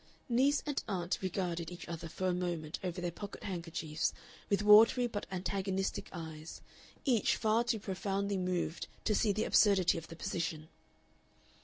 Niece and aunt regarded each other for a moment over their pocket handkerchiefs with watery but antagonistic eyes, each far too profoundly moved to see the absurdity of the position.